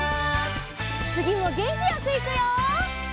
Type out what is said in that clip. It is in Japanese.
つぎもげんきよくいくよ！